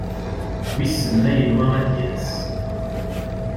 Wissen ma yenwa ad d-yas.